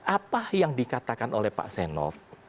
apa yang dikatakan oleh pak senov